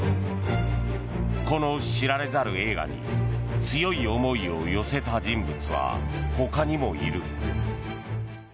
この知られざる映画に強い思いを寄せた人物は他にもいる。